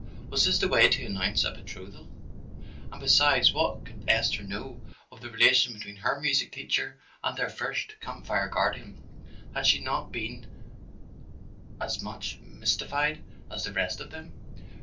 Was this the way to announce a betrothal, and besides what could Esther know of the relation between her music teacher and their first Camp Fire guardian; had she not been as much mystified as the rest of them?